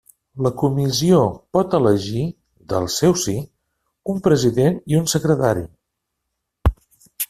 La Comissió pot elegir, del seu sí, un president i un secretari.